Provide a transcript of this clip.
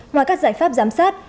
ngoài các giải pháp giám sát